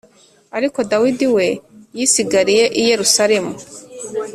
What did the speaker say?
Ariko Dawidi we yisigariye i Yerusalemu.